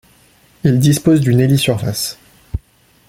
Il dispose d'une hélisurface.